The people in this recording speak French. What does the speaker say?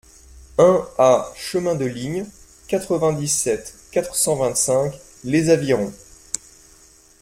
un A chemin de Ligne, quatre-vingt-dix-sept, quatre cent vingt-cinq, Les Avirons